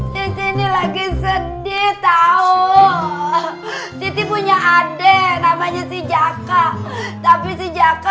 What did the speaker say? segini lagi sedih tahu n forensik ajek namanya sijaka tapi sudah